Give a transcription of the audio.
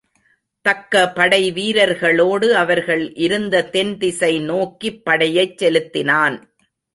தக்க படை வீரர்களோடு அவர்கள் இருந்த தென்திசை நோக்கிப் படையைச் செலுத்தினான்.